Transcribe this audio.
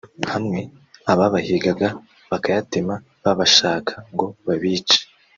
hamwe ababahigaga bakayatema babashaka ngo babice